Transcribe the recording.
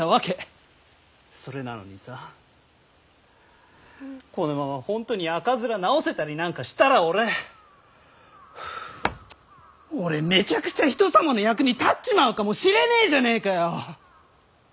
それなのにさこのまま本当に赤面治せたりなんかしたら俺俺めちゃくちゃ人様の役に立っちまうかもしれねえじゃねえかよ！